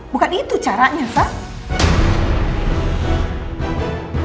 bukan itu caranya sam